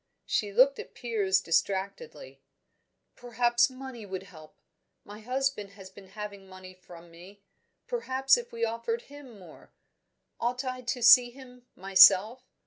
She looked at Piers distractedly. "Perhaps money would help. My husband has been having money from me; perhaps if we offered him more? Ought I to see him, myself?